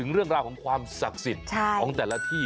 เรื่องราวของความศักดิ์สิทธิ์ของแต่ละที่